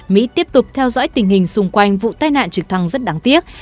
mỹ tiếp tục theo dõi tình hình xung quanh vụ tai nạn trực thăng rất đáng tiếc